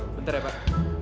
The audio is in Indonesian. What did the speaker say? bentar ya pak